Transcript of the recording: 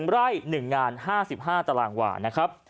๑ไร่๑งาน๕๕ตารางวา